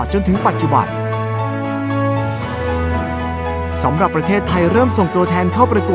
สนุนโดยสถาบันความงามโย